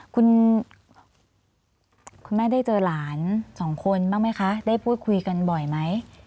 คุณแม่ได้เจอหลานสองคนบ้างไหมคะได้พูดคุยกันบ่อยไหม